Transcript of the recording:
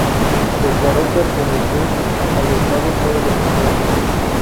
Declaró pertenecer al Estado todos los conventos.